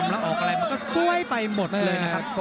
แล้วออกอะไรมันก็ซวยไปหมดเลยนะครับ